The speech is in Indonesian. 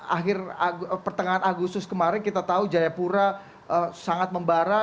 akhir pertengahan agustus kemarin kita tahu jayapura sangat membara